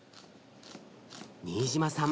新島さん